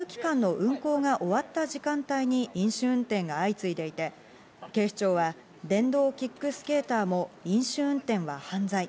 特に交通機関の運行が終わった時間帯に飲酒運転が相次いでいて、警視庁は電動キックスケーターも飲酒運転は犯罪。